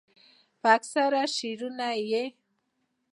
پۀ اکثره شعرونو ئې